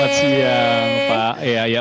selamat siang pak